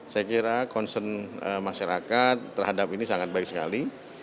saya kira concern masyarakat terhadap ini sangat baik sekali